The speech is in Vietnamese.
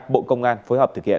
bộ công an phối hợp thực hiện